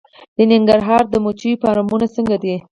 د ننګرهار د مچیو فارمونه څنګه دي؟